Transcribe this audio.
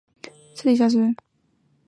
太平湖已彻底消失。